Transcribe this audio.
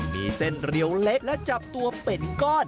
มีเส้นเรียวเละและจับตัวเป็นก้อน